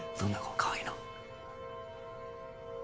かわいいの？